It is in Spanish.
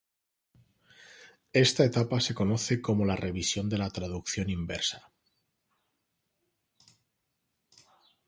Esta etapa se conoce como la revisión de la traducción inversa.